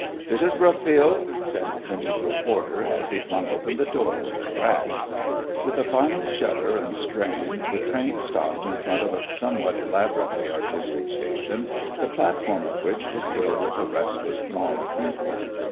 "This is Brookfield," said the negro porter, as he flung open the door with a crash. With a final shudder and strain, the train stopped in front of a somewhat elaborately artistic station, the platform of which was filled with a restless throng of people.